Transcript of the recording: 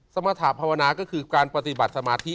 สมรรถาภาวนาก็คือการปฏิบัติสมาธิ